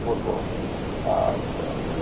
এজন্য এটা নিয়ে ভেবো না।